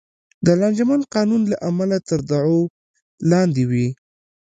د لانجمن قانون له امله تر دعوو لاندې وې.